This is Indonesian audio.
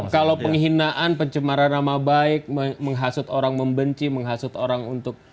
kalau penghinaan pencemaran nama baik menghasut orang membenci menghasut orang untuk